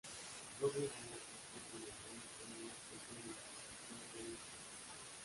Google Now está implementado como un aspecto de la aplicación Google Search.